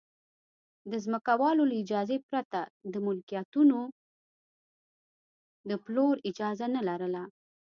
د ځمکوالو له اجازې پرته د ملکیتونو د پلور اجازه نه لرله